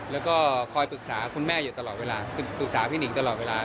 แล้วก็คอยปรึกษาคุณแม่อยู่ตลอดเวลาปรึกษาพี่หนิงตลอดเวลา